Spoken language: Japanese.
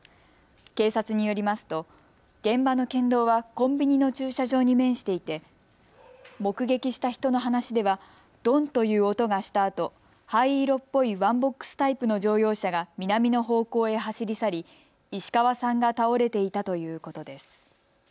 警察によりますと現場の県道はコンビニの駐車場に面していて目撃した人の話ではどんという音がしたあと灰色っぽいワンボックスタイプの乗用車が南の方向へ走り去り石河さんが倒れていたということです。